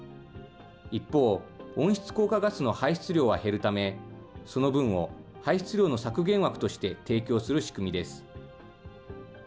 一方、温室効果ガスの排出量は減るため、その分を排出量の削減枠として提供する仕組みです。